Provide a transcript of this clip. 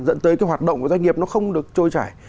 dẫn tới cái hoạt động của doanh nghiệp nó không được trôi trải